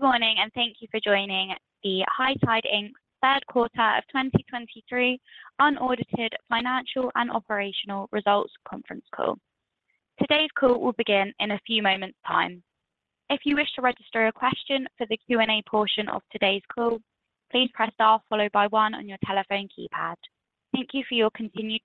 Good morning, and thank you for joining the High Tide Inc.'s Third Quarter of 2023 Unaudited Financial and Operational Results Conference Call. Today's call will begin in a few moments' time. If you wish to register your question for the Q&A portion of today's call, please press star followed by one on your telephone keypad. Thank you for your continued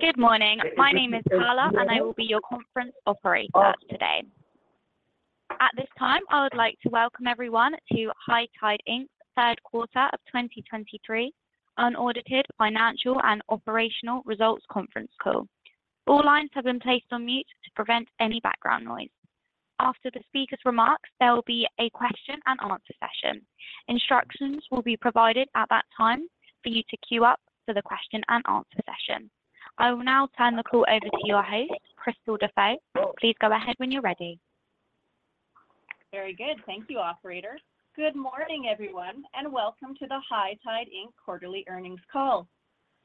patience. The question come up. Good morning. My name is Carla, and I will be your conference operator today. At this time, I would like to welcome everyone to High Tide Inc.'s Third Quarter of 2023 Unaudited Financial and Operational Results Conference Call. All lines have been placed on mute to prevent any background noise. After the speaker's remarks, there will be a question and answer session. Instructions will be provided at that time for you to queue up for the question and answer session. I will now turn the call over to your host, Krystal Dafoe. Please go ahead when you're ready. Very good. Thank you, operator. Good morning, everyone, and welcome to the High Tide Inc. quarterly earnings call.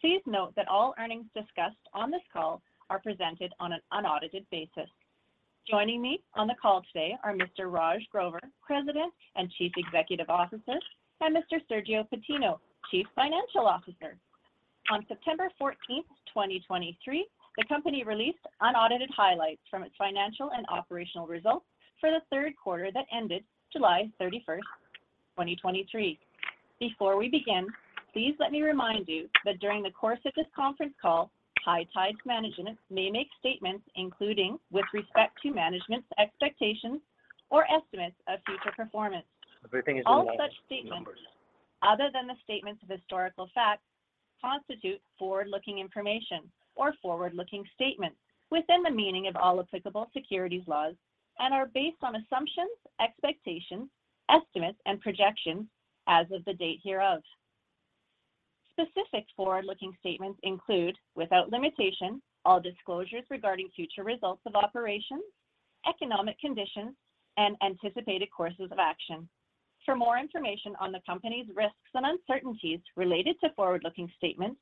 Please note that all earnings discussed on this call are presented on an unaudited basis. Joining me on the call today are Mr. Raj Grover, President and Chief Executive Officer, and Mr. Sergio Patino, Chief Financial Officer. On September 14, 2023, the company released unaudited highlights from its financial and operational results for the third quarter that ended July 31st, 2023. Before we begin, please let me remind you that during the course of this conference call, High Tide's management may make statements, including with respect to management's expectations or estimates of future performance. All such statements other than the statements of historical fact, constitute forward-looking information or forward-looking statements within the meaning of all applicable securities laws, and are based on assumptions, expectations, estimates, and projections as of the date hereof. Specific forward-looking statements include, without limitation, all disclosures regarding future results of operations, economic conditions, and anticipated courses of action. For more information on the company's risks and uncertainties related to forward-looking statements,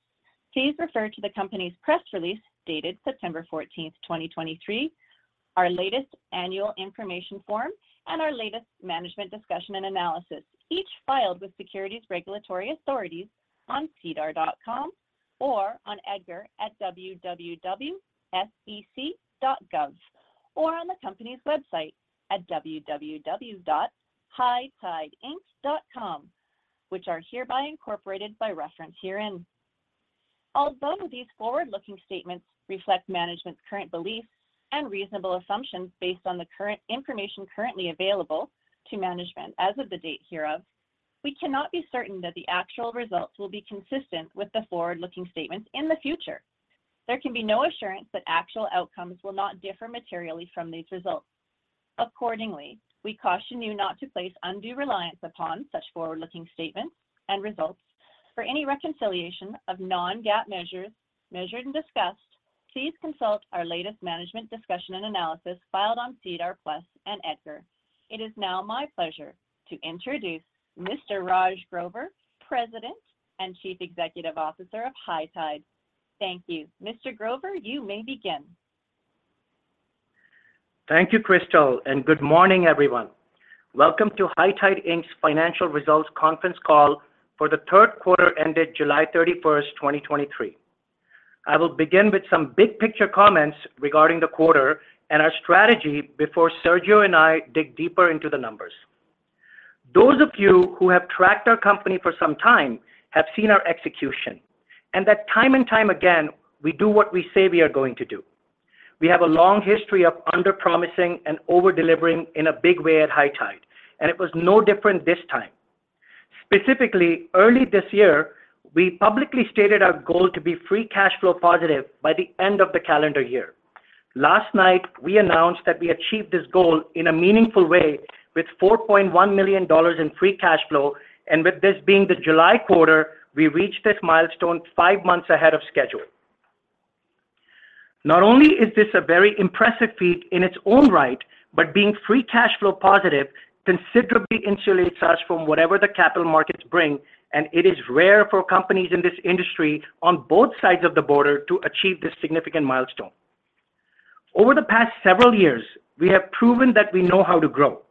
please refer to the company's press release dated September 14th, 2023, our latest annual information form, and our latest management discussion and analysis, each filed with securities regulatory authorities on SEDAR.com or on EDGAR at www.sec.gov, or on the company's website at www.hightideinc.com, which are hereby incorporated by reference herein. Although these forward-looking statements reflect management's current beliefs and reasonable assumptions based on the current information currently available to management as of the date hereof, we cannot be certain that the actual results will be consistent with the forward-looking statements in the future. There can be no assurance that actual outcomes will not differ materially from these results. Accordingly, we caution you not to place undue reliance upon such forward-looking statements and results. For any reconciliation of non-GAAP measures, measured and discussed, please consult our latest management discussion and analysis filed on SEDAR+ and EDGAR. It is now my pleasure to introduce Mr. Raj Grover, President and Chief Executive Officer of High Tide. Thank you. Mr. Grover, you may begin. Thank you, Krystal, and good morning, everyone. Welcome to High Tide Inc.'s Financial Results Conference Call for the Third Quarter Ended July 31st, 2023. I will begin with some big picture comments regarding the quarter and our strategy before Sergio and I dig deeper into the numbers. Those of you who have tracked our company for some time have seen our execution, and that time and time again, we do what we say we are going to do. We have a long history of under-promising and over-delivering in a big way at High Tide, and it was no different this time. Specifically, early this year, we publicly stated our goal to be free cash flow positive by the end of the calendar year. Last night, we announced that we achieved this goal in a meaningful way with 4.1 million dollars in free cash flow, and with this being the July quarter, we reached this milestone five months ahead of schedule. Not only is this a very impressive feat in its own right, but being free cash flow positive considerably insulates us from whatever the capital markets bring, and it is rare for companies in this industry on both sides of the border to achieve this significant milestone. Over the past several years, we have proven that we know how to grow.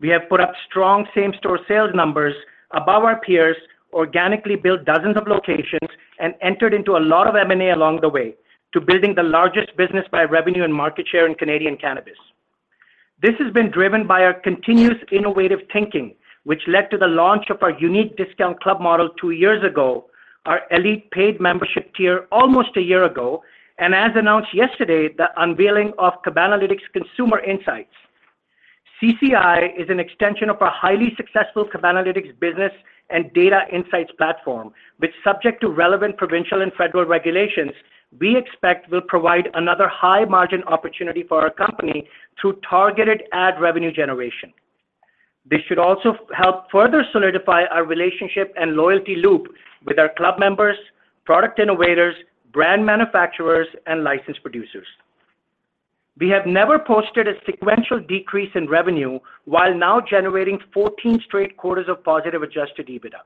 We have put up strong same-store sales numbers above our peers, organically built dozens of locations, and entered into a lot of M&A along the way to building the largest business by revenue and market share in Canadian cannabis. This has been driven by our continuous innovative thinking, which led to the launch of our unique discount club model two years ago, our ELITE paid membership tier almost a year ago, and as announced yesterday, the unveiling of Cabanalytics Consumer Insights. CCI is an extension of our highly successful Cabanalytics business and data insights platform, which, subject to relevant provincial and federal regulations, we expect will provide another high-margin opportunity for our company through targeted ad revenue generation. This should also help further solidify our relationship and loyalty loop with our club members, product innovators, brand manufacturers, and licensed producers. We have never posted a sequential decrease in revenue while now generating 14 straight quarters of positive adjusted EBITDA.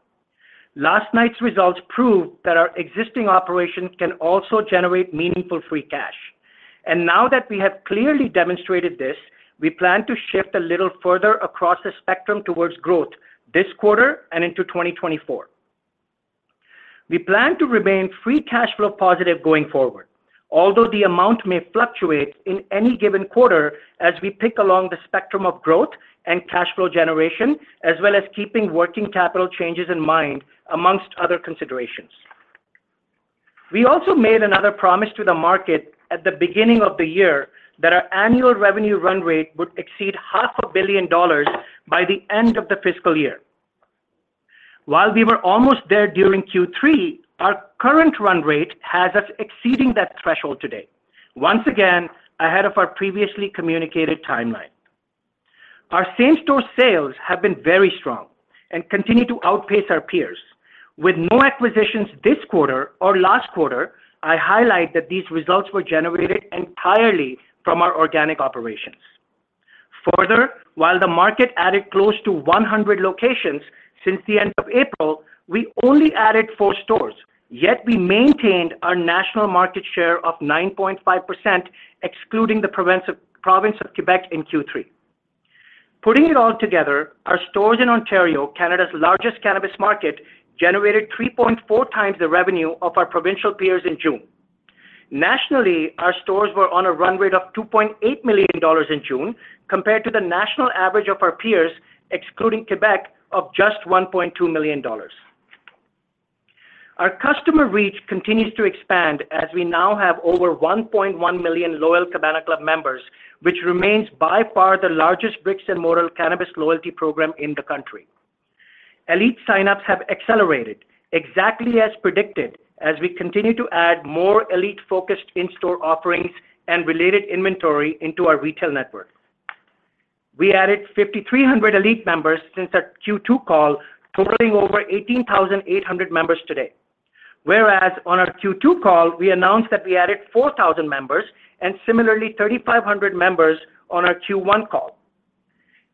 Last night's results proved that our existing operations can also generate meaningful free cash. Now that we have clearly demonstrated this, we plan to shift a little further across the spectrum towards growth this quarter and into 2024. We plan to remain free cash flow positive going forward, although the amount may fluctuate in any given quarter as we pick along the spectrum of growth and cash flow generation, as well as keeping working capital changes in mind, among other considerations. We also made another promise to the market at the beginning of the year that our annual revenue run rate would exceed 500 million dollars by the end of the fiscal year. While we were almost there during Q3, our current run rate has us exceeding that threshold today. Once again, ahead of our previously communicated timeline. Our same-store sales have been very strong and continue to outpace our peers. With no acquisitions this quarter or last quarter, I highlight that these results were generated entirely from our organic operations. Further, while the market added close to 100 locations since the end of April, we only added four stores, yet we maintained our national market share of 9.5%, excluding the province of Quebec in Q3. Putting it all together, our stores in Ontario, Canada's largest cannabis market, generated 3.4x the revenue of our provincial peers in June. Nationally, our stores were on a run rate of 2.8 million dollars in June, compared to the national average of our peers, excluding Quebec, of just 1.2 million dollars. Our customer reach continues to expand as we now have over 1.1 million loyal Cabana Club members, which remains by far the largest brick-and-mortar cannabis loyalty program in the country. ELITE signups have accelerated exactly as predicted, as we continue to add more ELITE-focused in-store offerings and related inventory into our retail network. We added 5,300 ELITE members since our Q2 call, totaling over 18,800 members today. Whereas on our Q2 call, we announced that we added 4,000 members, and similarly, 3,500 members on our Q1 call.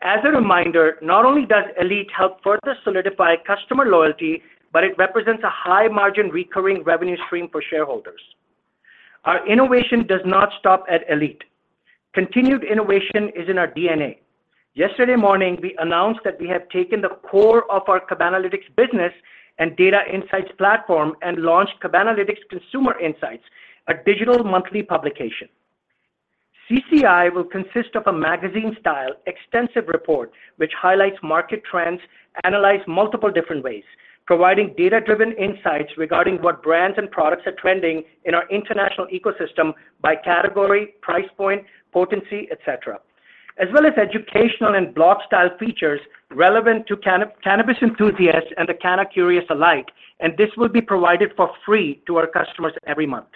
As a reminder, not only does ELITE help further solidify customer loyalty, but it represents a high-margin recurring revenue stream for shareholders. Our innovation does not stop at ELITE. Continued innovation is in our DNA. Yesterday morning, we announced that we have taken the core of our Cabanalytics business and data insights platform and launched Cabanalytics Consumer Insights, a digital monthly publication. CCI will consist of a magazine-style, extensive report, which highlights market trends, analyzed multiple different ways, providing data-driven insights regarding what brands and products are trending in our international ecosystem by category, price point, potency, et cetera, as well as educational and blog-style features relevant to cannabis enthusiasts and the cannabis-curious alike, and this will be provided for free to our customers every month.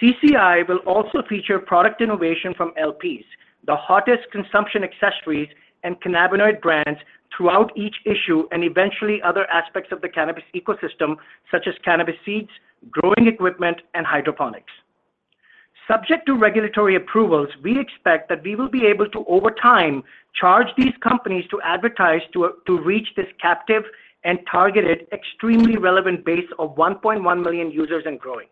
CCI will also feature product innovation from LPs, the hottest consumption accessories, and cannabinoid brands throughout each issue, and eventually other aspects of the cannabis ecosystem, such as cannabis seeds, growing equipment, and hydroponics. Subject to regulatory approvals, we expect that we will be able to, over time, charge these companies to advertise to reach this captive and targeted extremely relevant base of 1.1 million users and growing.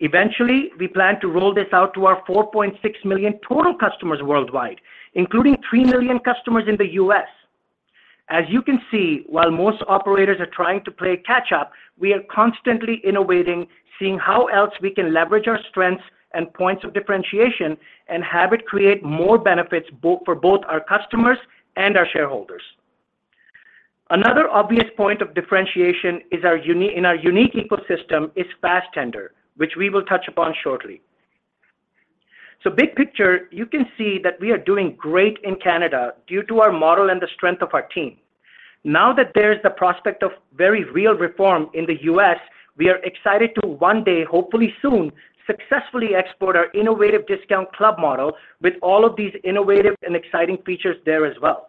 Eventually, we plan to roll this out to our 4.6 million total customers worldwide, including three million customers in the U.S. As you can see, while most operators are trying to play catch-up, we are constantly innovating, seeing how else we can leverage our strengths and points of differentiation, and have it create more benefits for both our customers and our shareholders. Another obvious point of differentiation is our unique ecosystem, Fastendr, which we will touch upon shortly. So big picture, you can see that we are doing great in Canada due to our model and the strength of our team. Now that there's the prospect of very real reform in the U.S., we are excited to one day, hopefully soon, successfully export our innovative discount club model with all of these innovative and exciting features there as well.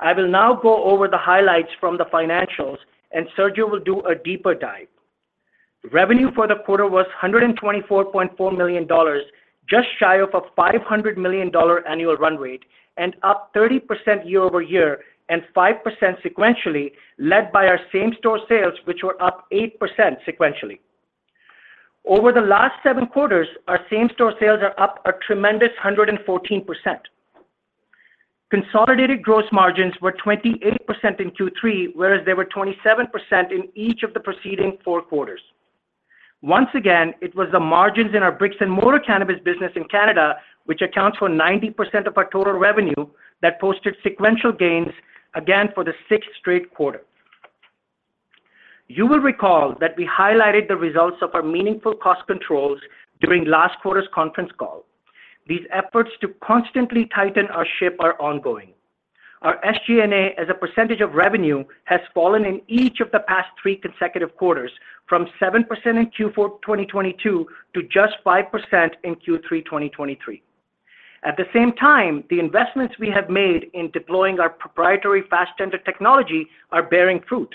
I will now go over the highlights from the financials, and Sergio will do a deeper dive. Revenue for the quarter was 124.4 million dollars, just shy of a 500 million dollar annual run rate and up 30% year-over-year, and 5% sequentially, led by our same-store sales, which were up 8% sequentially. Over the last seven quarters, our same-store sales are up a tremendous 114%. Consolidated gross margins were 28% in Q3, whereas they were 27% in each of the preceding four quarters. Once again, it was the margins in our brick-and-mortar cannabis business in Canada, which accounts for 90% of our total revenue, that posted sequential gains again for the sixth straight quarter. You will recall that we highlighted the results of our meaningful cost controls during last quarter's conference call. These efforts to constantly tighten our ship are ongoing. Our SG&A, as a percentage of revenue, has fallen in each of the past three consecutive quarters, from 7% in Q4 of 2022 to just 5% in Q3 2023. At the same time, the investments we have made in deploying our proprietary Fastendr technology are bearing fruit.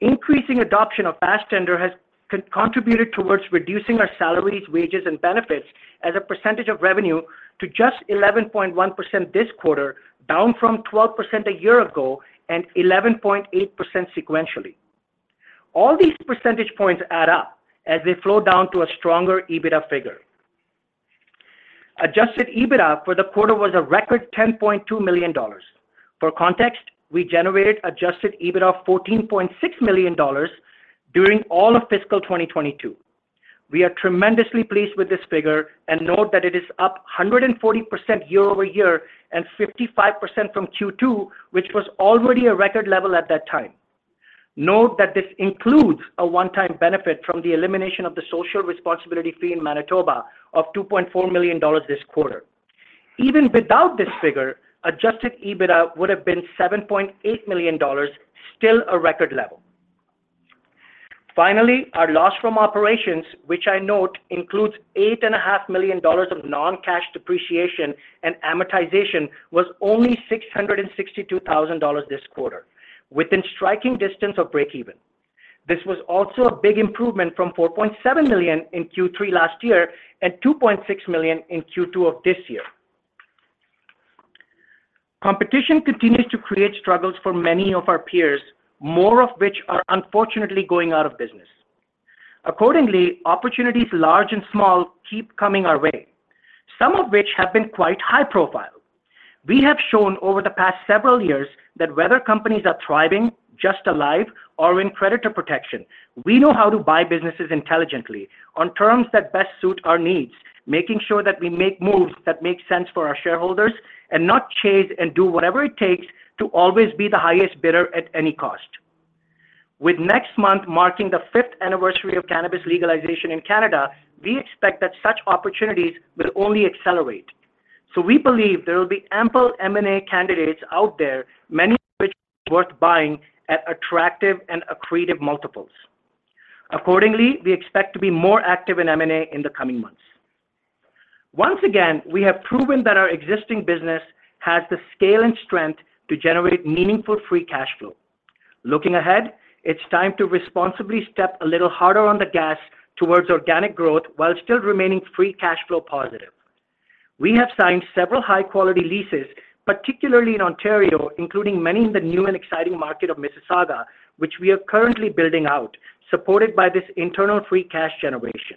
Increasing adoption of Fastendr has contributed towards reducing our salaries, wages, and benefits as a percentage of revenue to just 11.1% this quarter, down from 12% a year ago and 11.8% sequentially. All these percentage points add up as they flow down to a stronger EBITDA figure. Adjusted EBITDA for the quarter was a record 10.2 million dollars. For context, we generated adjusted EBITDA of 14.6 million dollars during all of fiscal 2022. We are tremendously pleased with this figure and note that it is up 140% year-over-year and 55% from Q2, which was already a record level at that time. Note that this includes a one-time benefit from the elimination of the Social Responsibility Fee in Manitoba of 2.4 million dollars this quarter. Even without this figure, adjusted EBITDA would have been 7.8 million dollars, still a record level. Finally, our loss from operations, which I note includes 8.5 million dollars of non-cash depreciation and amortization, was only 662,000 dollars this quarter, within striking distance of breakeven. This was also a big improvement from 4.7 million in Q3 last year and 2.6 million in Q2 of this year. Competition continues to create struggles for many of our peers, more of which are unfortunately going out of business. Accordingly, opportunities, large and small, keep coming our way, some of which have been quite high profile. We have shown over the past several years that whether companies are thriving, just alive, or in creditor protection, we know how to buy businesses intelligently on terms that best suit our needs, making sure that we make moves that make sense for our shareholders, and not chase and do whatever it takes to always be the highest bidder at any cost. With next month marking the fifth anniversary of cannabis legalization in Canada, we expect that such opportunities will only accelerate. So we believe there will be ample M&A candidates out there, many which worth buying at attractive and accretive multiples. Accordingly, we expect to be more active in M&A in the coming months. Once again, we have proven that our existing business has the scale and strength to generate meaningful free cash flow. Looking ahead, it's time to responsibly step a little harder on the gas towards organic growth while still remaining free cash flow positive. We have signed several high-quality leases, particularly in Ontario, including many in the new and exciting market of Mississauga, which we are currently building out, supported by this internal free cash generation.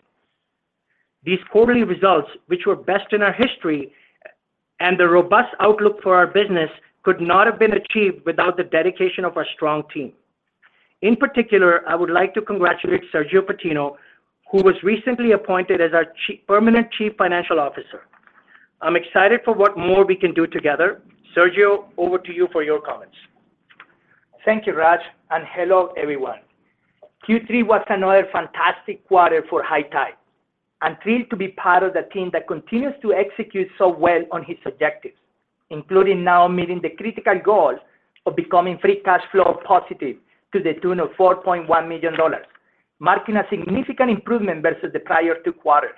These quarterly results, which were best in our history, and the robust outlook for our business, could not have been achieved without the dedication of our strong team. In particular, I would like to congratulate Sergio Patino, who was recently appointed as our permanent Chief Financial Officer. I'm excited for what more we can do together. Sergio, over to you for your comments. Thank you, Raj, and hello, everyone. Q3 was another fantastic quarter for High Tide. I'm thrilled to be part of the team that continues to execute so well on its objectives, including now meeting the critical goal of becoming free cash flow positive to the tune of 4.1 million dollars, marking a significant improvement versus the prior two quarters.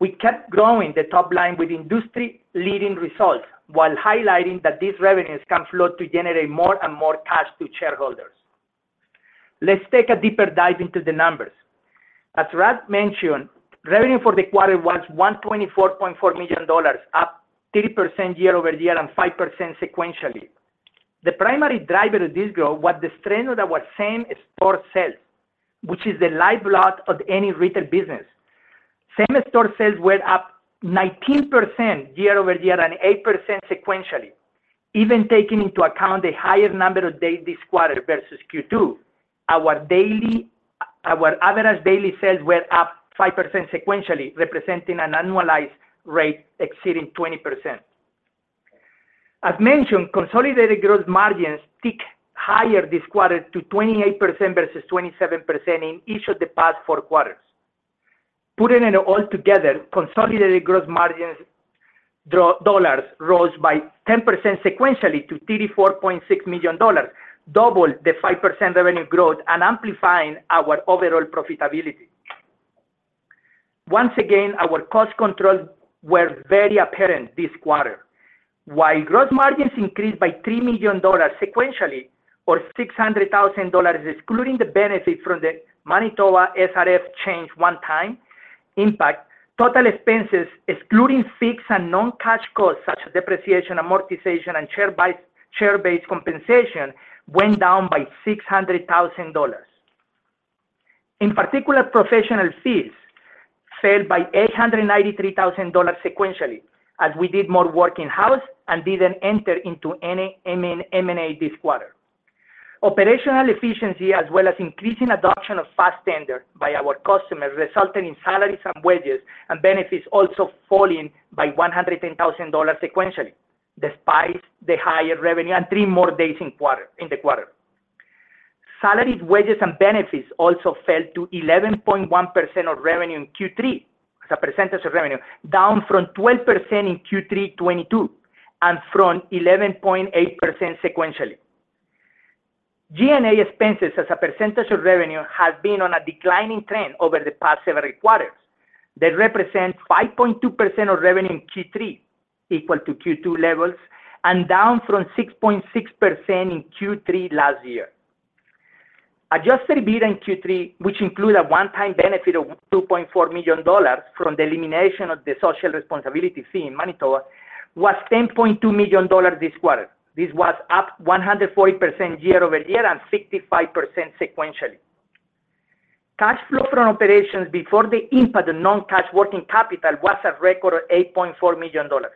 We kept growing the top line with industry-leading results, while highlighting that these revenues can flow to generate more and more cash to shareholders. Let's take a deeper dive into the numbers. As Raj mentioned, revenue for the quarter was 124.4 million dollars, up 30% year-over-year and 5% sequentially. The primary driver of this growth was the strength of our same-store sales, which is the lifeblood of any retail business. Same-store sales were up 19% year-over-year and 8% sequentially. Even taking into account the higher number of days this quarter versus Q2, our average daily sales were up 5% sequentially, representing an annualized rate exceeding 20%. As mentioned, consolidated gross margins ticked higher this quarter to 28% versus 27% in each of the past four quarters. Putting it all together, consolidated gross margins dollars rose by 10% sequentially to 34.6 million dollars, double the 5% revenue growth and amplifying our overall profitability. Once again, our cost controls were very apparent this quarter. While gross margins increased by 3 million dollars sequentially, or 600,000 dollars, excluding the benefit from the Manitoba SRF change one-time impact, total expenses, excluding fixed and non-cash costs such as depreciation, amortization, and share-based compensation, went down by 600,000 dollars. In particular, professional fees fell by 893,000 dollars sequentially, as we did more work in-house and didn't enter into any M&A this quarter. Operational efficiency, as well as increasing adoption of Fastendr by our customers, resulted in salaries and wages and benefits also falling by 110,000 dollars sequentially, despite the higher revenue and three more days in the quarter. Salaries, wages, and benefits also fell to 11.1% of revenue in Q3, as a percentage of revenue, down from 12% in Q3 2022, and from 11.8% sequentially. G&A expenses as a percentage of revenue have been on a declining trend over the past several quarters. They represent 5.2% of revenue in Q3, equal to Q2 levels, and down from 6.6% in Q3 last year. Adjusted EBITDA in Q3, which include a one-time benefit of 2.4 million dollars from the elimination of the Social Responsibility Fee in Manitoba, was 10.2 million dollars this quarter. This was up 140% year-over-year and 65% sequentially. Cash flow from operations before the impact of non-cash working capital was a record of 8.4 million dollars,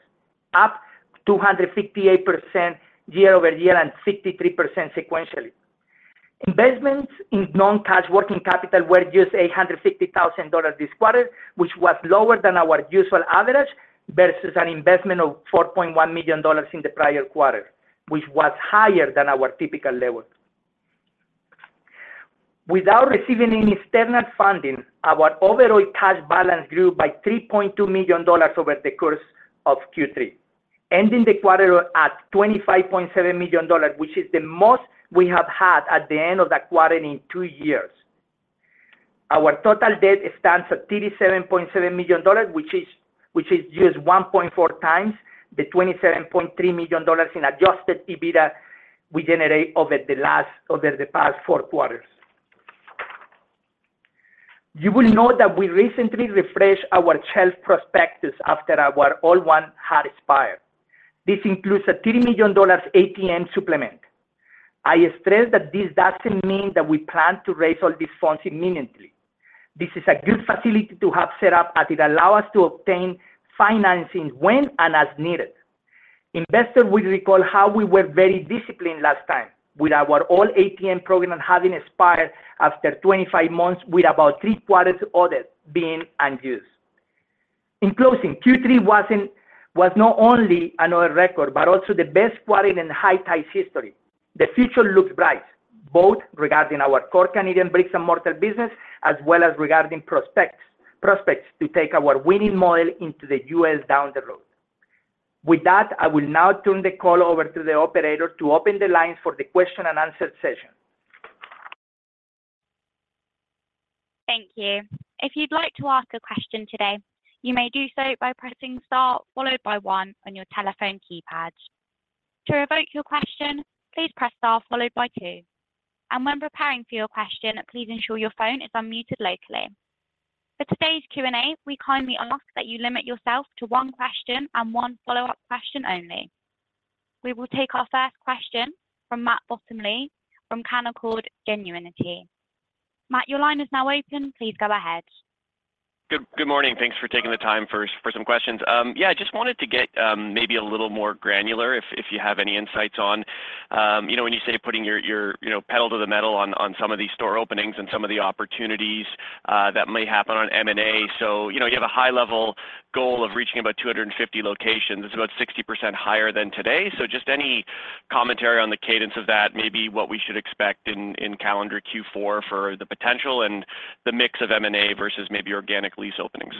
up 258% year-over-year and 63% sequentially. Investments in non-cash working capital were just 850,000 dollars this quarter, which was lower than our usual average, versus an investment of 4.1 million dollars in the prior quarter, which was higher than our typical level. Without receiving any external funding, our overall cash balance grew by 3.2 million dollars over the course of Q3, ending the quarter at 25.7 million dollars, which is the most we have had at the end of the quarter in two years. Our total debt stands at 37.7 million dollars, which is just 1.4x the 27.3 million dollars in adjusted EBITDA we generate over the past four quarters. You will note that we recently refreshed our shelf prospectus after our old one had expired. This includes a 30 million dollars ATM supplement. I stress that this doesn't mean that we plan to raise all these funds immediately. This is a good facility to have set up, as it allow us to obtain financing when and as needed. Investors will recall how we were very disciplined last time, with our old ATM program having expired after 25 months, with about 3/4 of it being unused. In closing, Q3 was not only another record, but also the best quarter in High Tide's history. The future looks bright, both regarding our core Canadian brick-and-mortar business, as well as regarding prospects to take our winning model into the U.S. down the road. With that, I will now turn the call over to the operator to open the lines for the question and answer session. Thank you. If you'd like to ask a question today, you may do so by pressing star, followed by one on your telephone keypad. To revoke your question, please press star followed by two. When preparing for your question, please ensure your phone is unmuted locally. For today's Q&A, we kindly ask that you limit yourself to one question and one follow-up question only. We will take our first question from Matt Bottomley, from Canaccord Genuity. Matt, your line is now open. Please go ahead. Good morning. Thanks for taking the time for some questions. Yeah, just wanted to get maybe a little more granular, if you have any insights on, you know, when you say putting your, you know, pedal to the metal on some of these store openings and some of the opportunities that may happen on M&A. So, you know, you have a high-level goal of reaching about 250 locations. It's about 60% higher than today. So just any commentary on the cadence of that, maybe what we should expect in calendar Q4 for the potential and the mix of M&A versus maybe organic lease openings.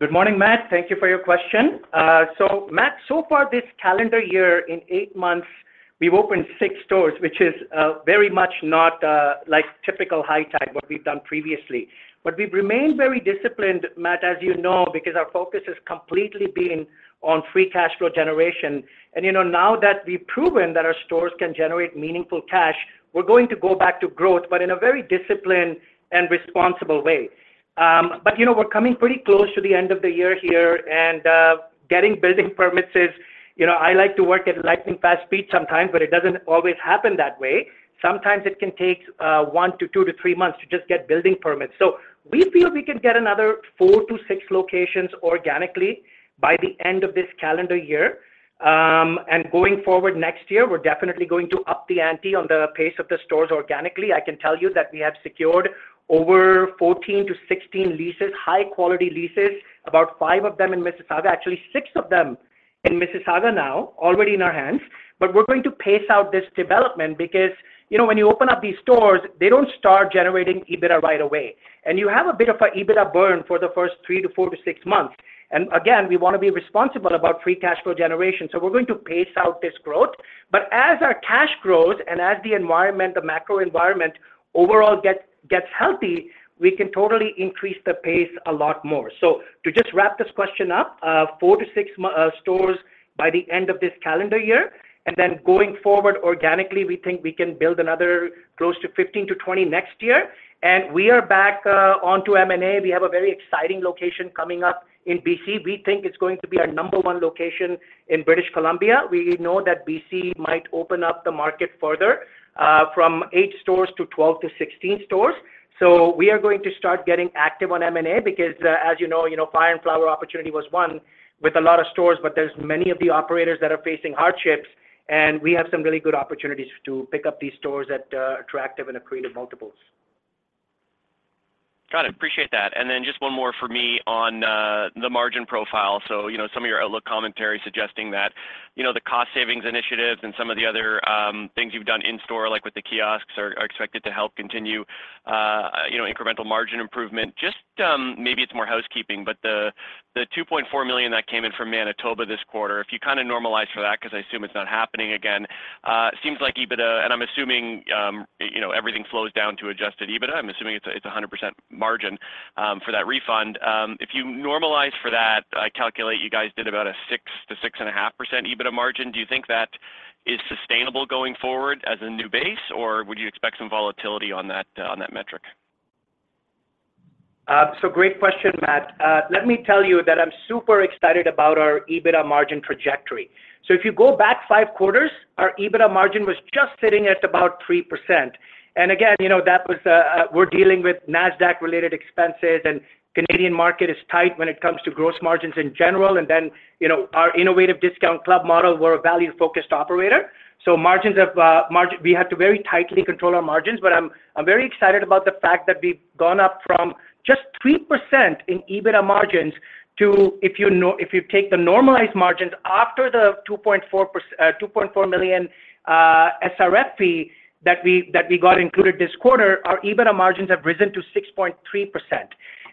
Good morning, Matt. Thank you for your question. So Matt, so far this calendar year, in eight months, we've opened six stores, which is very much not like typical High Tide, what we've done previously. But we've remained very disciplined, Matt, as you know, because our focus has completely been on free cash flow generation. And, you know, now that we've proven that our stores can generate meaningful cash, we're going to go back to growth, but in a very disciplined and responsible way. But, you know, we're coming pretty close to the end of the year here, and getting building permits is—you know, I like to work at lightning-fast speed sometimes, but it doesn't always happen that way. Sometimes it can take one to two to three months to just get building permits. So we feel we can get another four to six locations organically by the end of this calendar year. And going forward next year, we're definitely going to up the ante on the pace of the stores organically. I can tell you that we have secured over 14-16 leases, high quality leases, about five of them in Mississauga, actually, six of them in Mississauga now, already in our hands. But we're going to pace out this development because, you know, when you open up these stores, they don't start generating EBITDA right away. And you have a bit of a EBITDA burn for the first three to four to six months. And again, we wanna be responsible about free cash flow generation, so we're going to pace out this growth. But as our cash grows and as the environment, the macro environment, overall gets healthy, we can totally increase the pace a lot more. So to just wrap this question up, four to six stores by the end of this calendar year, and then going forward, organically, we think we can build another close to 15-20 next year. And we are back on to M&A. We have a very exciting location coming up in BC. We think it's going to be our number one location in British Columbia. We know that BC might open up the market further from eight stores to 12-16 stores. So we are going to start getting active on M&A because, as you know, you know, Fire and Flower opportunity was one with a lot of stores, but there's many of the operators that are facing hardships, and we have some really good opportunities to pick up these stores at attractive and accretive multiples. Got it. Appreciate that. And then just one more for me on the margin profile. So, you know, some of your outlook commentary suggesting that, you know, the cost savings initiatives and some of the other things you've done in store, like with the kiosks, are expected to help continue, you know, incremental margin improvement. Just maybe it's more housekeeping, but the 2.4 million that came in from Manitoba this quarter, if you kinda normalize for that, 'cause I assume it's not happening again, it seems like EBITDA, and I'm assuming, you know, everything flows down to adjusted EBITDA, I'm assuming it's a 100% margin for that refund. If you normalize for that, I calculate you guys did about a 6%-6.5% EBITDA margin. Do you think that is sustainable going forward as a new base, or would you expect some volatility on that metric? So great question, Matt. Let me tell you that I'm super excited about our EBITDA margin trajectory. So if you go back five quarters, our EBITDA margin was just sitting at about 3%. And again, you know, that was, we're dealing with Nasdaq-related expenses, and Canadian market is tight when it comes to gross margins in general. And then, you know, our innovative discount club model, we're a value-focused operator, so margin—we have to very tightly control our margins, but I'm, I'm very excited about the fact that we've gone up from just 3% in EBITDA margins to, if you know—if you take the normalized margins after the 2.4 million SRF fee that we, that we got included this quarter, our EBITDA margins have risen to 6.3%.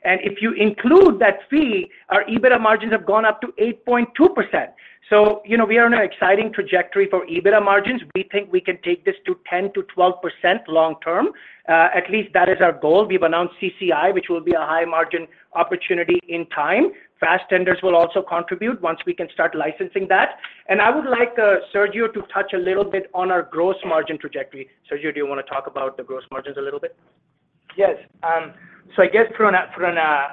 And if you include that fee, our EBITDA margins have gone up to 8.2%. So, you know, we are on an exciting trajectory for EBITDA margins. We think we can take this to 10%-12% long term. At least that is our goal. We've announced CCI, which will be a high-margin opportunity in time. Fastendr will also contribute once we can start licensing that. And I would like, Sergio to touch a little bit on our gross margin trajectory. Sergio, do you wanna talk about the gross margins a little bit? Yes. So I guess from a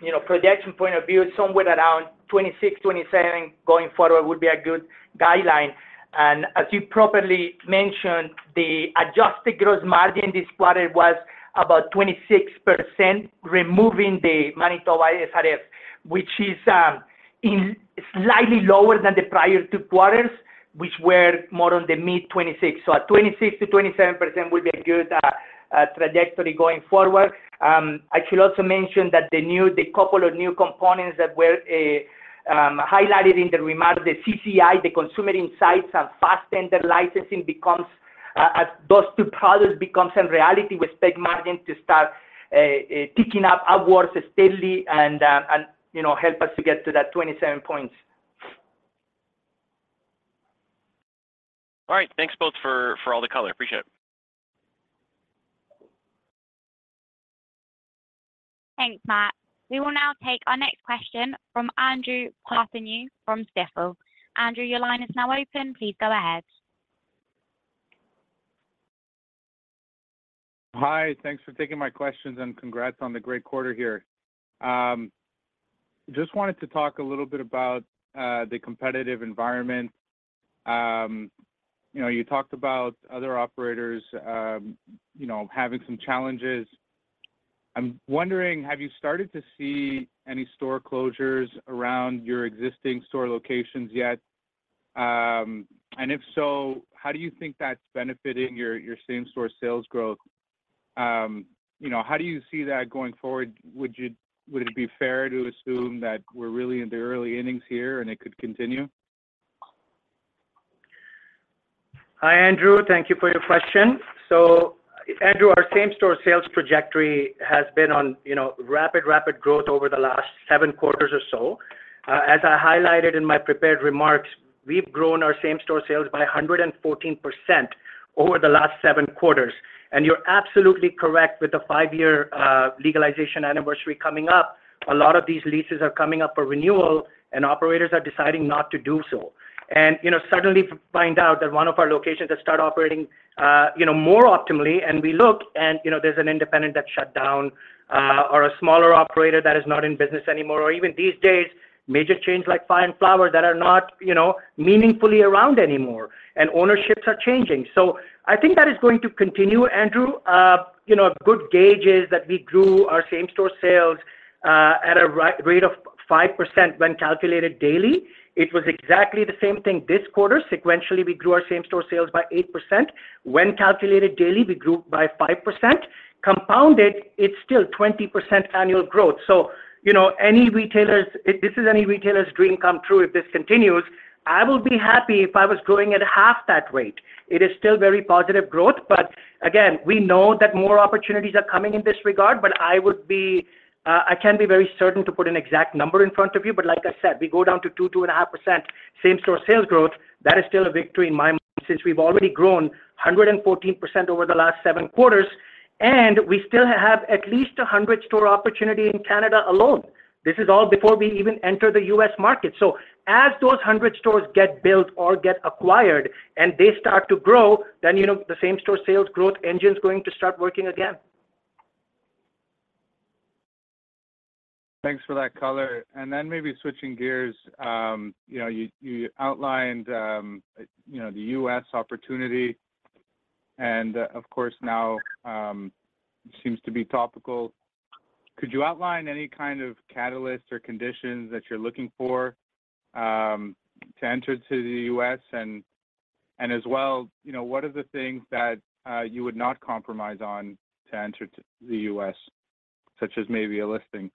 you know projection point of view, somewhere around 26%-27% going forward would be a good guideline. As you properly mentioned, the adjusted gross margin this quarter was about 26%, removing the Manitoba SRF, which is in slightly lower than the prior two quarters, which were more on the mid-26. So at 26%-27% would be a good trajectory going forward. I should also mention that the couple of new components that were highlighted in the remarks, the CCI, the Consumer Insights, and Fastendr licensing becomes, as those two products becomes a reality, we expect margin to start ticking up upwards steadily, and, you know, help us to get to that 27 points. All right, thanks both for all the color. Appreciate it. Thanks, Matt. We will now take our next question from Andrew Partheniou from Stifel. Andrew, your line is now open. Please go ahead. Hi, thanks for taking my questions, and congrats on the great quarter here. Just wanted to talk a little bit about the competitive environment. You know, you talked about other operators, you know, having some challenges. I'm wondering, have you started to see any store closures around your existing store locations yet? And if so, how do you think that's benefiting your same-store sales growth? You know, how do you see that going forward? Would you—would it be fair to assume that we're really in the early innings here and it could continue? Hi, Andrew. Thank you for your question. So Andrew, our same-store sales trajectory has been on, you know, rapid, rapid growth over the last seven quarters or so. As I highlighted in my prepared remarks, we've grown our same-store sales by 114% over the last seven quarters, and you're absolutely correct, with the five-year legalization anniversary coming up, a lot of these leases are coming up for renewal, and operators are deciding not to do so. And, you know, suddenly find out that one of our locations has started operating, you know, more optimally, and we look, and, you know, there's an independent that shut down, or a smaller operator that is not in business anymore, or even these days, major chains like Fire & Flower that are not, you know, meaningfully around anymore, and ownerships are changing. So I think that is going to continue, Andrew. You know, a good gauge is that we grew our same-store sales at a rate of 5% when calculated daily. It was exactly the same thing this quarter. Sequentially, we grew our same-store sales by 8%. When calculated daily, we grew by 5%. Compounded, it's still 20% annual growth. So, you know, any retailer's—if this is any retailer's dream come true, if this continues, I will be happy if I was growing at half that rate. It is still very positive growth, but again, we know that more opportunities are coming in this regard, but I would be, uh—I can't be very certain to put an exact number in front of you. But like I said, we go down to 2%-2.5% same-store sales growth, that is still a victory in my mind, since we've already grown 114% over the last seven quarters, and we still have at least a 100-store opportunity in Canada alone. This is all before we even enter the U.S. market. So as those 100 stores get built or get acquired, and they start to grow, then, you know, the same-store sales growth engine's going to start working again. Thanks for that color. And then maybe switching gears, you know, you outlined, you know, the U.S. opportunity, and of course, now, it seems to be topical. Could you outline any kind of catalyst or conditions that you're looking for, to enter to the U.S., and as well, you know, what are the things that you would not compromise on to enter to the U.S., such as maybe a listing?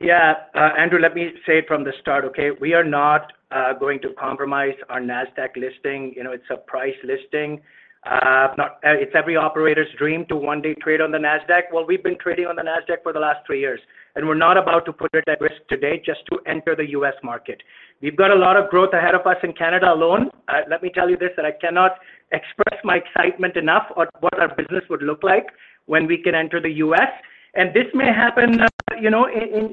Yeah. Andrew, let me say from the start, okay? We are not going to compromise our Nasdaq listing. You know, it's a priced listing. It's every operator's dream to one day trade on the Nasdaq. Well, we've been trading on the Nasdaq for the last three years, and we're not about to put it at risk today just to enter the U.S. market. We've got a lot of growth ahead of us in Canada alone. Let me tell you this, that I cannot express my excitement enough on what our business would look like when we can enter the U.S., and this may happen, you know, in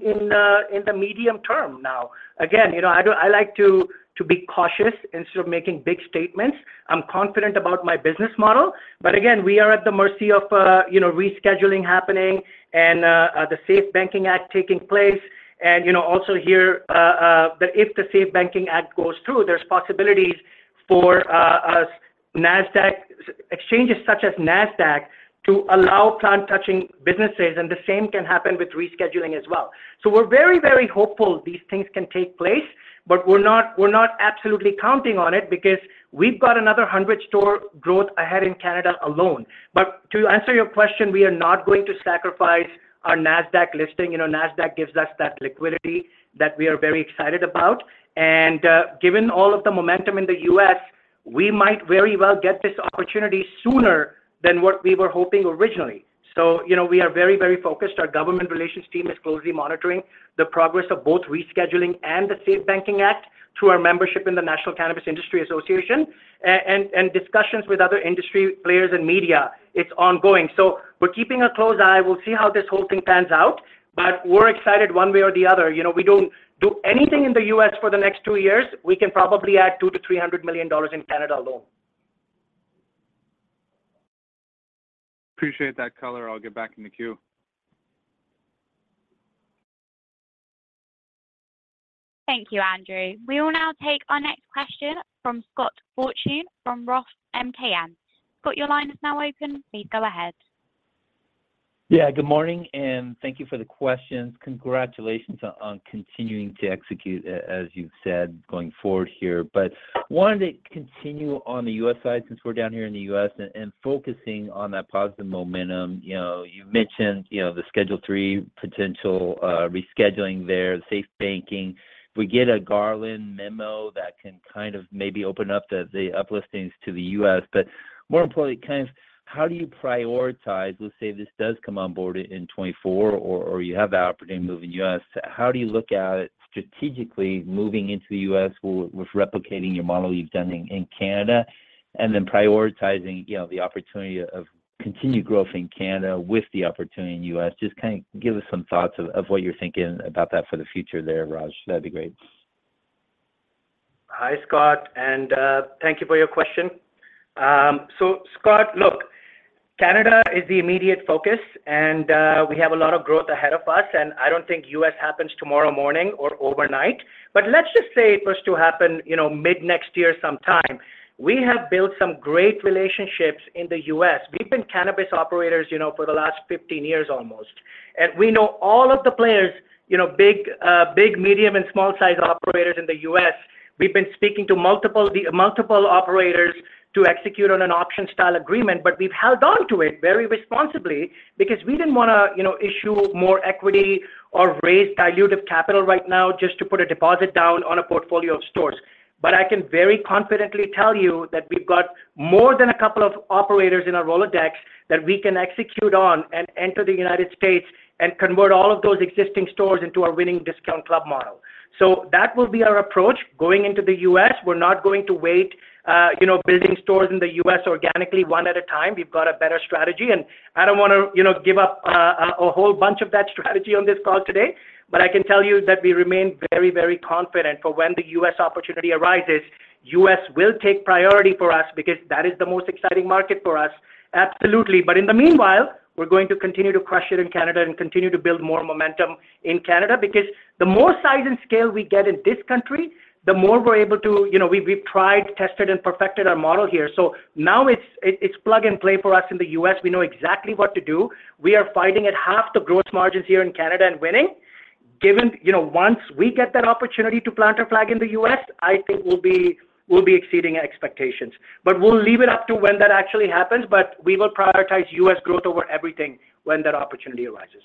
the medium term now. Again, you know, I don't—I like to be cautious instead of making big statements. I'm confident about my business model, but again, we are at the mercy of, you know, rescheduling happening and, the SAFE Banking Act taking place. And, you know, also here, that if the SAFE Banking Act goes through, there's possibilities for Nasdaq—exchanges such as Nasdaq, to allow plant touching businesses, and the same can happen with rescheduling as well. So we're very, very hopeful these things can take place, but we're not absolutely counting on it, because we've got another 100 store growth ahead in Canada alone. But to answer your question, we are not going to sacrifice our Nasdaq listing. You know, Nasdaq gives us that liquidity that we are very excited about. And, given all of the momentum in the U.S., we might very well get this opportunity sooner than what we were hoping originally. So, you know, we are very, very focused. Our government relations team is closely monitoring the progress of both rescheduling and the SAFE Banking Act through our membership in the National Cannabis Industry Association, and discussions with other industry players and media. It's ongoing, so we're keeping a close eye. We'll see how this whole thing pans out, but we're excited one way or the other. You know, we don't do anything in the U.S. for the next two years, we can probably add 200 million-300 million dollars in Canada alone. Appreciate that color. I'll get back in the queue. Thank you, Andrew. We will now take our next question from Scott Fortune from Roth MKM. Scott, your line is now open. Please go ahead. Yeah, good morning, and thank you for the questions. Congratulations on continuing to execute, as you've said, going forward here. But wanted to continue on the U.S. side, since we're down here in the U.S., and focusing on that positive momentum. You know, you mentioned, you know, the Schedule III potential, rescheduling there, the safe banking. We get a Garland memo that can kind of maybe open up the uplistings to the U.S., but more importantly, kind of how do you prioritize, let's say, this does come on board in 2024, or you have the opportunity to move in U.S. How do you look at strategically moving into the U.S. with replicating your model you've done in Canada, and then prioritizing, you know, the opportunity of continued growth in Canada with the opportunity in U.S.? Just kind of give us some thoughts of what you're thinking about that for the future there, Raj. That'd be great. Hi, Scott, and thank you for your question. So Scott, look, Canada is the immediate focus, and we have a lot of growth ahead of us, and I don't think U.S. happens tomorrow morning or overnight. But let's just say it was to happen, you know, mid-next year sometime, we have built some great relationships in the U.S. We've been cannabis operators, you know, for the last 15 years almost, and we know all of the players, you know, big, medium, and small-sized operators in the U.S. We've been speaking to multiple operators to execute on an option-style agreement, but we've held on to it very responsibly, because we didn't wanna, you know, issue more equity or raise dilutive capital right now, just to put a deposit down on a portfolio of stores. But I can very confidently tell you that we've got more than a couple of operators in our Rolodex that we can execute on, and enter the United States, and convert all of those existing stores into our winning discount club model. So that will be our approach going into the U.S. We're not going to wait, you know, building stores in the U.S. organically, one at a time. We've got a better strategy, and I don't wanna, you know, give up a whole bunch of that strategy on this call today, but I can tell you that we remain very, very confident for when the U.S. opportunity arises. U.S. will take priority for us, because that is the most exciting market for us. Absolutely. But in the meanwhile, we're going to continue to crush it in Canada and continue to build more momentum in Canada, because the more size and scale we get in this country, the more we're able to—you know, we've tried, tested, and perfected our model here. So now, it's plug and play for us in the U.S. We know exactly what to do. We are fighting at half the growth margins here in Canada and winning. Given, you know, once we get that opportunity to plant a flag in the U.S., I think we'll be exceeding expectations. But we'll leave it up to when that actually happens, but we will prioritize U.S. growth over everything when that opportunity arises.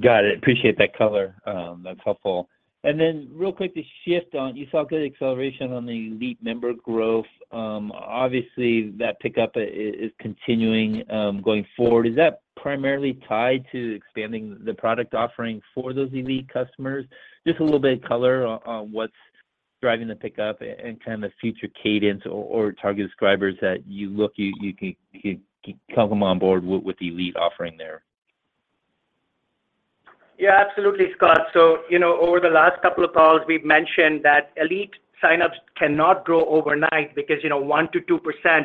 Got it. Appreciate that color. That's helpful. And then real quick, to shift on, you saw good acceleration on the Elite member growth. Obviously, that pickup is continuing going forward. Is that primarily tied to expanding the product offering for those Elite customers? Just a little bit of color on what's driving the pickup and kind of the future cadence or target subscribers that you can come on board with the Elite offering there. Yeah, absolutely, Scott. So, you know, over the last couple of calls, we've mentioned that ELITE signups cannot grow overnight because, you know, 1%-2%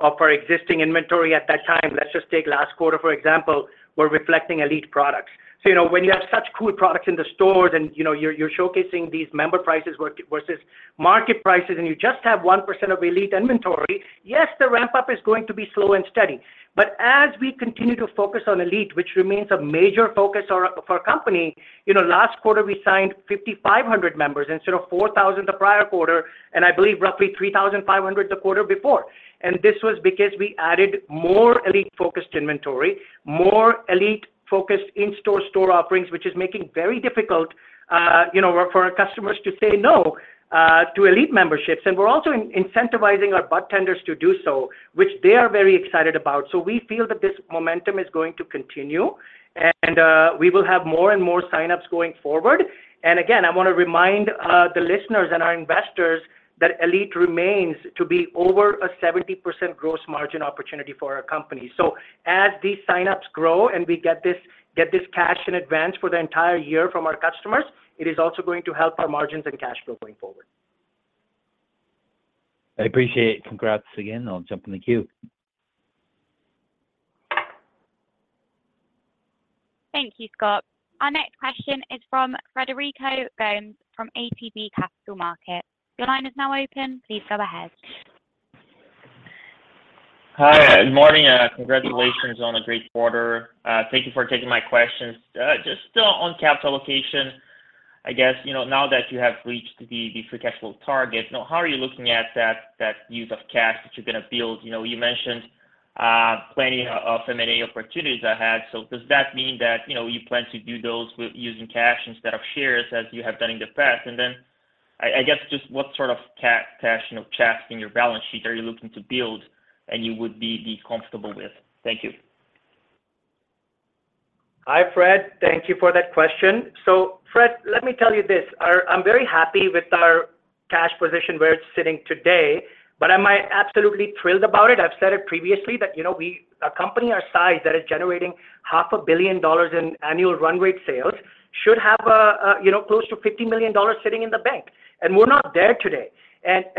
of our existing inventory at that time, let's just take last quarter, for example, were reflecting ELITE products. So, you know, when you have such cool products in the stores and, you know, you're showcasing these member prices versus market prices, and you just have 1% of ELITE inventory, yes, the ramp-up is going to be slow and steady. But as we continue to focus on ELITE, which remains a major focus of our company, you know, last quarter, we signed 5,500 members instead of 4,000 the prior quarter, and I believe roughly 3,500 the quarter before, and this was because we added more ELITE-focused inventory, more ELITE-focused in-store store offerings, which is making very difficult, you know, for our customers to say no to ELITE memberships. And we're also incentivizing our budtenders to do so, which they are very excited about. So we feel that this momentum is going to continue, and we will have more and more signups going forward. And again, I wanna remind the listeners and our investors that ELITE remains to be over a 70% gross margin opportunity for our company. As these signups grow, and we get this cash in advance for the entire year from our customers, it is also going to help our margins and cash flow going forward. I appreciate it. Congrats again. I'll jump in the queue. Thank you, Scott. Our next question is from Frederico Gomes, from ATB Capital Markets. Your line is now open. Please go ahead. Hi, good morning, congratulations on a great quarter. Thank you for taking my questions. Just still on capital allocation, I guess, you know, now that you have reached the free cash flow target, you know, how are you looking at that use of cash that you're gonna build? You know, you mentioned plenty of M&A opportunities ahead, so does that mean that, you know, you plan to do those with using cash instead of shares, as you have done in the past? And then, I guess, just what sort of cash, you know, cash in your balance sheet are you looking to build and you would be comfortable with? Thank you. Hi, Fred. Thank you for that question. So Fred, let me tell you this, I'm very happy with our cash position, where it's sitting today, but am I absolutely thrilled about it? I've said it previously that, you know, a company our size that is generating 500 million dollars in annual run rate sales should have a, you know, close to 50 million dollars sitting in the bank, and we're not there today.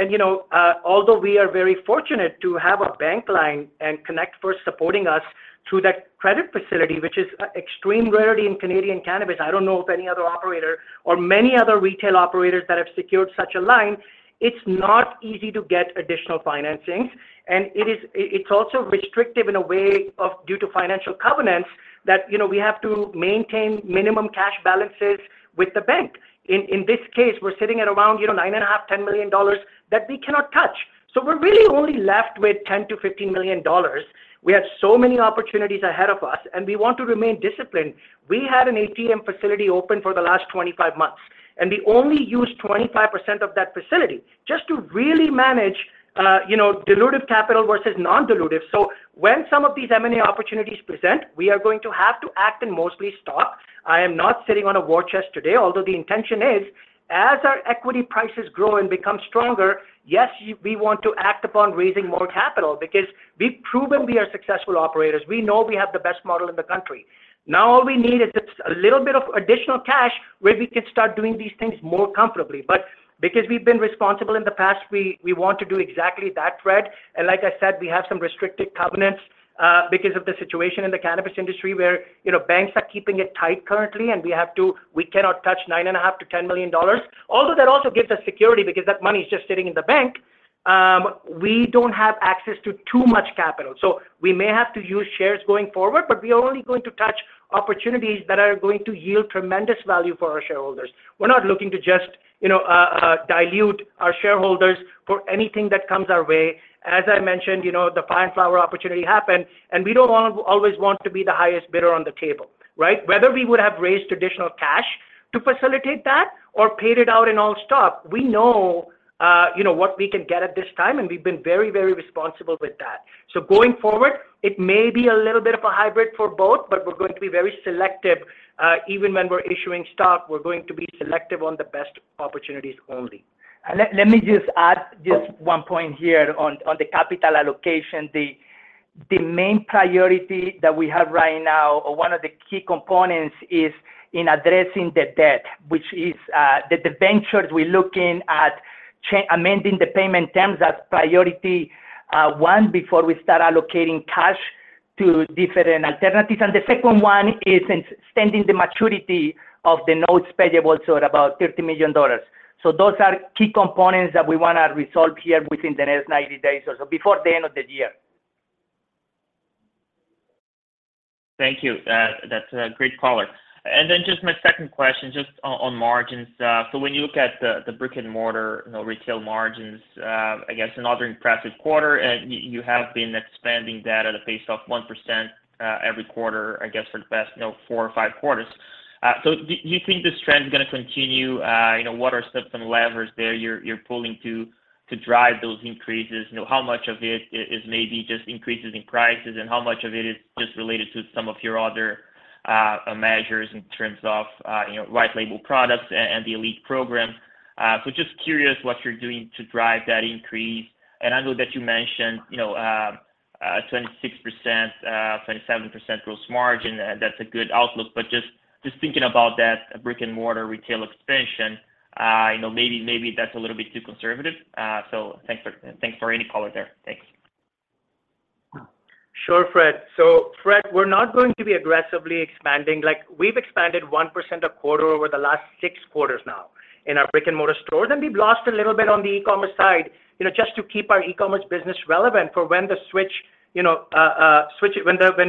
You know, although we are very fortunate to have a bank line and Connect First supporting us through that credit facility, which is an extreme rarity in Canadian cannabis. I don't know of any other operator or many other retail operators that have secured such a line. It's not easy to get additional financings, and it's also restrictive in a way due to financial covenants that, you know, we have to maintain minimum cash balances with the bank. In this case, we're sitting at around, you know, 9.5 million, 10 million dollars that we cannot touch. So we're really only left with 10 million-15 million dollars. We have so many opportunities ahead of us, and we want to remain disciplined. We had an ATM facility open for the last 25 months, and we only used 25% of that facility, just to really manage, you know, dilutive capital versus non-dilutive. So when some of these M&A opportunities present, we are going to have to act and mostly stock. I am not sitting on a war chest today, although the intention is, as our equity prices grow and become stronger, yes, we want to act upon raising more capital because we've proven we are successful operators. We know we have the best model in the country. Now, all we need is just a little bit of additional cash where we can start doing these things more comfortably. But because we've been responsible in the past, we want to do exactly that, Fred. And like I said, we have some restricted covenants, because of the situation in the cannabis industry where, you know, banks are keeping it tight currently, and we have to—we cannot touch 9.5 million-10 million dollars. Although that also gives us security because that money is just sitting in the bank, we don't have access to too much capital. So we may have to use shares going forward, but we are only going to touch opportunities that are going to yield tremendous value for our shareholders. We're not looking to just, you know, dilute our shareholders for anything that comes our way. As I mentioned, you know, the Pine Flower opportunity happened, and we don't want to—always want to be the highest bidder on the table, right? Whether we would have raised traditional cash to facilitate that or paid it out in all stock, we know, you know, what we can get at this time, and we've been very, very responsible with that. So going forward, it may be a little bit of a hybrid for both, but we're going to be very selective, even when we're issuing stock, we're going to be selective on the best opportunities only. And let me just add just one point here on the capital allocation. The main priority that we have right now, or one of the key components is in addressing the debt, which is the debentures we're looking at amending the payment terms as priority one, before we start allocating cash to different alternatives. And the second one is extending the maturity of the notes payable to about 30 million dollars. So those are key components that we wanna resolve here within the next 90 days or so, before the end of the year. Thank you. That's a great color. And then just my second question, just on margins. So when you look at the brick-and-mortar retail margins, I guess another impressive quarter, and you have been expanding that at a pace of 1% every quarter, I guess, for the past, you know, four or five quarters. So do you think this trend is gonna continue? You know, what are some levers there you're pulling to drive those increases? You know, how much of it is maybe just increases in prices, and how much of it is just related to some of your other measures in terms of, you know, white-label products and the ELITE program? So just curious what you're doing to drive that increase? And I know that you mentioned, you know, 26%, 27% gross margin, and that's a good outlook, but just thinking about that brick-and-mortar retail expansion, you know, maybe, maybe that's a little bit too conservative. So thanks for any color there. Thanks. Sure, Fred. So Fred, we're not going to be aggressively expanding. Like, we've expanded 1% a quarter over the last six quarters now in our brick-and-mortar stores, and we've lost a little bit on the e-commerce side, you know, just to keep our e-commerce business relevant for when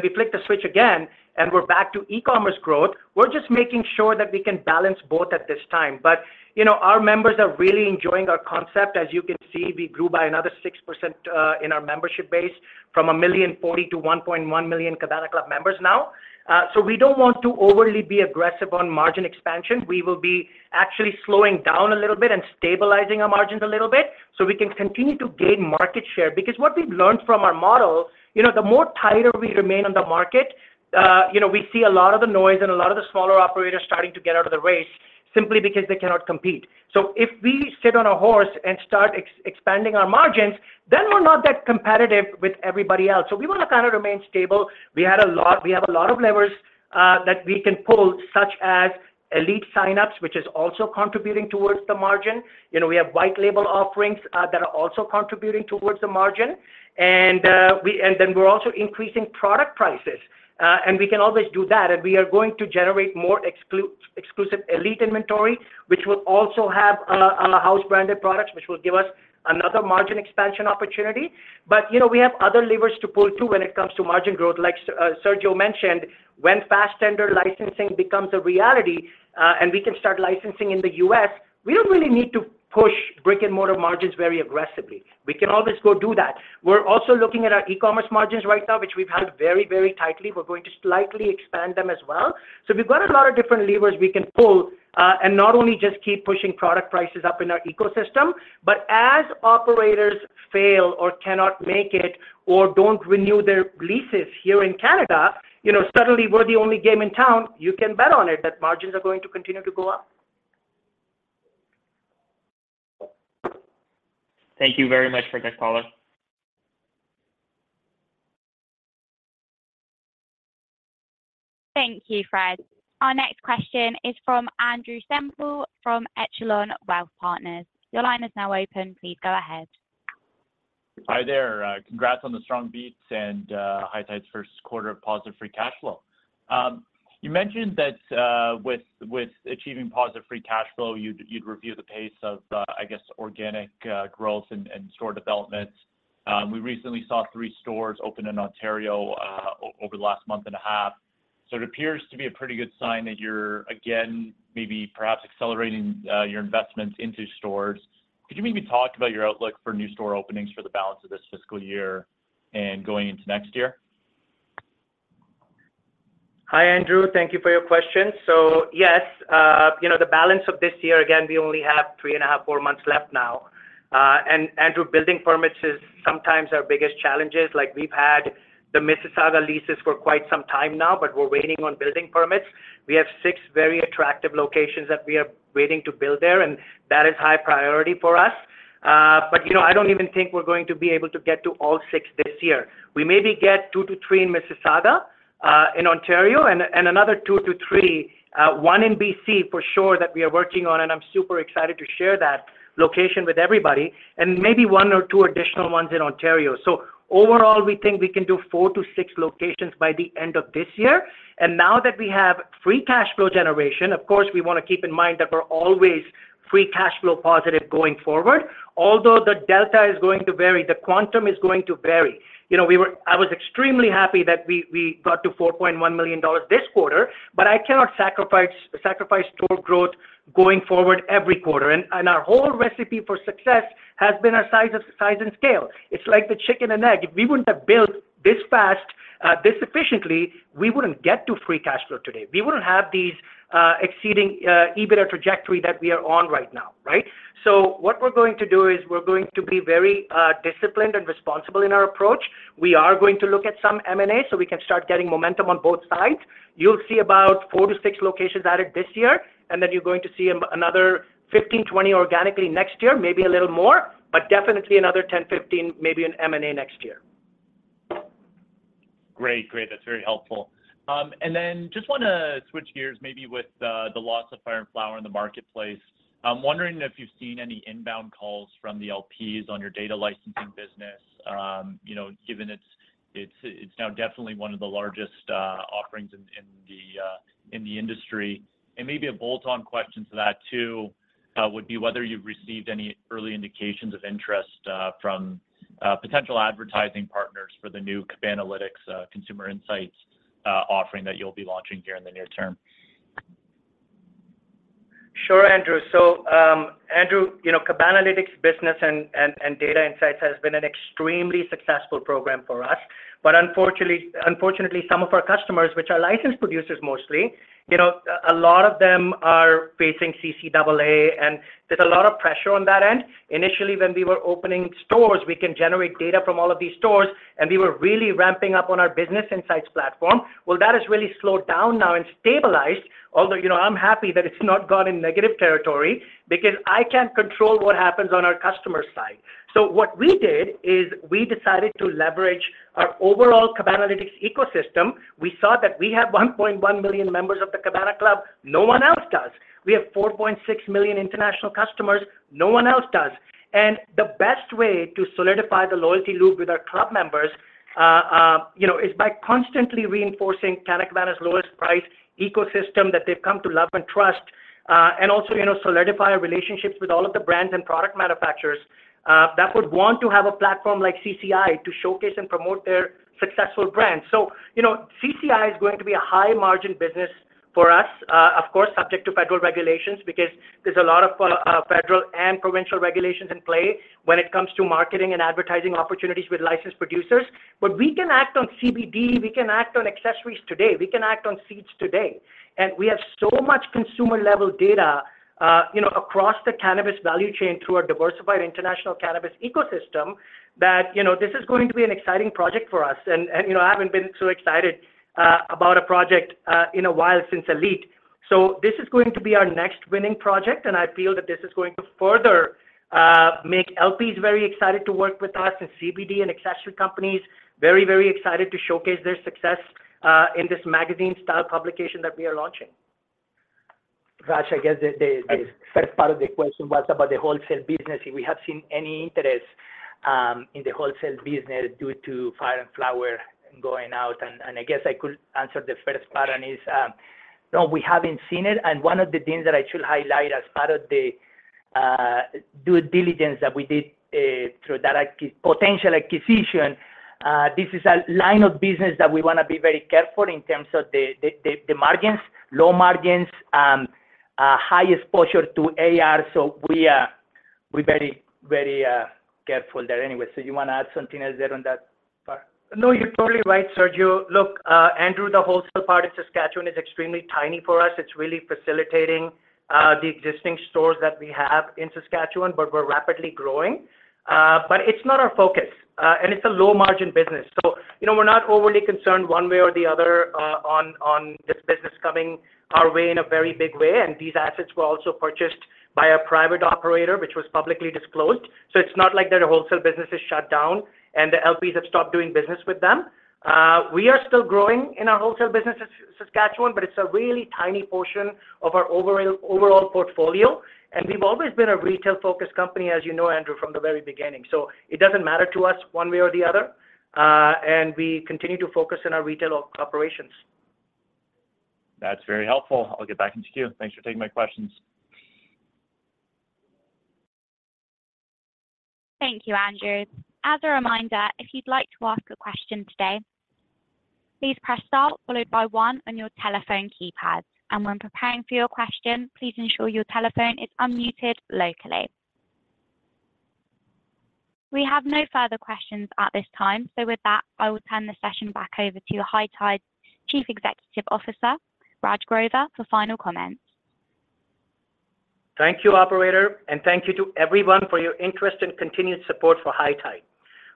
we flick the switch again, and we're back to e-commerce growth, we're just making sure that we can balance both at this time. But, you know, our members are really enjoying our concept. As you can see, we grew by another 6% in our membership base from 1.04 million to 1.1 million Cabana Club members now. So we don't want to overly be aggressive on margin expansion. We will be actually slowing down a little bit and stabilizing our margins a little bit, so we can continue to gain market share. Because what we've learned from our model, you know, the more tighter we remain on the market, you know, we see a lot of the noise and a lot of the smaller operators starting to get out of the race simply because they cannot compete. So if we sit on a horse and start expanding our margins, then we're not that competitive with everybody else. So we wanna kind of remain stable. We have a lot of levers that we can pull, such as ELITE signups, which is also contributing towards the margin. You know, we have white-label offerings that are also contributing towards the margin. And then we're also increasing product prices, and we can always do that. And we are going to generate more exclusive ELITE inventory, which will also have a house-branded products, which will give us another margin expansion opportunity. But, you know, we have other levers to pull too when it comes to margin growth. Like Sergio mentioned, when Fastendr licensing becomes a reality, and we can start licensing in the U.S., we don't really need to push brick-and-mortar margins very aggressively. We can always go do that. We're also looking at our e-commerce margins right now, which we've held very, very tightly. We're going to slightly expand them as well. So we've got a lot of different levers we can pull, and not only just keep pushing product prices up in our ecosystem, but as operators fail or cannot make it, or don't renew their leases here in Canada, you know, suddenly we're the only game in town, you can bet on it that margins are going to continue to go up. Thank you very much for that call. Thank you, Fred. Our next question is from Andrew Semple, from Echelon Wealth Partners. Your line is now open, please go ahead. Hi there. Congrats on the strong beats and High Tide's first quarter of positive free cash flow. You mentioned that with achieving positive free cash flow, you'd review the pace of, I guess, organic growth and store development. We recently saw three stores open in Ontario over the last month and a half. So it appears to be a pretty good sign that you're, again, maybe perhaps accelerating your investments into stores. Could you maybe talk about your outlook for new store openings for the balance of this fiscal year and going into next year? Hi, Andrew. Thank you for your question. So yes, you know, the balance of this year, again, we only have 3.5nto four months left now. And Andrew, building permits is sometimes our biggest challenges, like we've had the Mississauga leases for quite some time now, but we're waiting on building permits. We have six very attractive locations that we are waiting to build there, and that is high priority for us. But, you know, I don't even think we're going to be able to get to all six this year. We maybe get two to three in Mississauga, in Ontario, and another two to three, one in BC for sure, that we are working on and I'm super excited to share that location with everybody, and maybe one or two additional ones in Ontario. So overall, we think we can do four to six locations by the end of this year. And now that we have free cash flow generation, of course, we wanna keep in mind that we're always free cash flow positive going forward, although the delta is going to vary, the quantum is going to vary. You know, I was extremely happy that we got to 4.1 million dollars this quarter, but I cannot sacrifice store growth going forward every quarter. And our whole recipe for success has been our size and scale. It's like the chicken and egg. If we wouldn't have built this fast, this efficiently, we wouldn't get to free cash flow today. We wouldn't have these exceeding EBITDA trajectory that we are on right now, right? So what we're going to do is we're going to be very, disciplined and responsible in our approach. We are going to look at some M&A, so we can start getting momentum on both sides. You'll see about four to six locations added this year, and then you're going to see another 15-20 organically next year, maybe a little more, but definitely another 10-15, maybe in M&A next year. Great. Great, that's very helpful. And then just wanna switch gears maybe with the loss of Fire & Flower in the marketplace. I'm wondering if you've seen any inbound calls from the LPs on your data licensing business, you know, given it's now definitely one of the largest offerings in the industry. And maybe a bolt-on question to that too, would be whether you've received any early indications of interest from potential advertising partners for the new Cabanalytics Consumer Insights offering that you'll be launching here in the near term? Sure, Andrew. So, Andrew, you know, Cabanalytics Business and Data Insights has been an extremely successful program for us, but unfortunately, some of our customers, which are licensed producers mostly, you know, a lot of them are facing CCAA, and there's a lot of pressure on that end. Initially, when we were opening stores, we can generate data from all of these stores, and we were really ramping up on our business insights platform. Well, that has really slowed down now and stabilized, although, you know, I'm happy that it's not gone in negative territory, because I can't control what happens on our customer side. So what we did, is we decided to leverage our overall Cabanalytics ecosystem. We saw that we have 1.1 million members of the Cabana Club, no one else does. We have 4.6 million international customers, no one else does. And the best way to solidify the loyalty loop with our club members, you know, is by constantly reinforcing Club Cabana's lowest price ecosystem that they've come to love and trust, and also, you know, solidify our relationships with all of the brands and product manufacturers that would want to have a platform like CCI to showcase and promote their successful brand. So, you know, CCI is going to be a high margin business for us, of course, subject to federal regulations, because there's a lot of federal and provincial regulations in play when it comes to marketing and advertising opportunities with licensed producers. But we can act on CBD, we can act on accessories today, we can act on seeds today. We have so much consumer level data, you know, across the cannabis value chain through our diversified international cannabis ecosystem, that, you know, this is going to be an exciting project for us. You know, I haven't been so excited about a project in a while since ELITE. So this is going to be our next winning project, and I feel that this is going to further make LPs very excited to work with us, and CBD and accessory companies very, very excited to showcase their success in this magazine-style publication that we are launching. Raj, I guess the first part of the question was about the wholesale business, if we have seen any interest in the wholesale business due to Fire &; Flower going out. And I guess I could answer the first part, and is no, we haven't seen it. And one of the things that I should highlight as part of the due diligence that we did through that potential acquisition, this is a line of business that we wanna be very careful in terms of the margins, low margins, high exposure to AR, so we're very careful there. Anyway, so you wanna add something else there on that part? No, you're totally right, Sergio. Look, Andrew, the wholesale part of Saskatchewan is extremely tiny for us. It's really facilitating the existing stores that we have in Saskatchewan, but we're rapidly growing. But it's not our focus and it's a low margin business. So, you know, we're not overly concerned one way or the other on this business coming our way in a very big way, and these assets were also purchased by a private operator, which was publicly disclosed. So it's not like their wholesale business is shut down and the LPs have stopped doing business with them. We are still growing in our wholesale business in Saskatchewan, but it's a really tiny portion of our overall portfolio, and we've always been a retail-focused company, as you know, Andrew, from the very beginning. It doesn't matter to us one way or the other, and we continue to focus on our retail operations. That's very helpful. I'll get back into queue. Thanks for taking my questions. Thank you, Andrew. As a reminder, if you'd like to ask a question today, please press star followed by one on your telephone keypad, and when preparing for your question, please ensure your telephone is unmuted locally. We have no further questions at this time, so with that, I will turn the session back over to High Tide's Chief Executive Officer, Raj Grover, for final comments. Thank you, operator, and thank you to everyone for your interest and continued support for High Tide.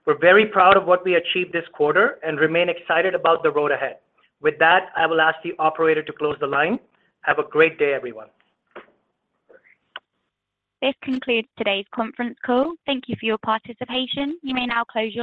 We're very proud of what we achieved this quarter and remain excited about the road ahead. With that, I will ask the operator to close the line. Have a great day, everyone. This concludes today's conference call. Thank you for your participation. You may now close your line.